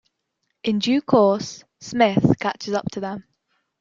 In due course, Smith catches up to them.